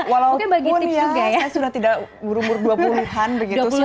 walaupun ya saya sudah tidak umur dua puluh an begitu